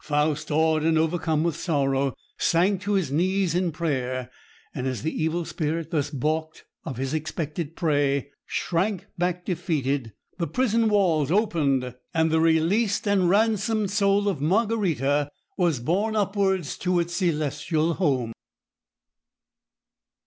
Faust, awed and overcome with sorrow, sank to his knees in prayer, and as the Evil Spirit, thus balked of his expected prey, shrank back defeated, the prison walls opened, and the released and ransomed soul of Margarita was borne upwards to its celestial home.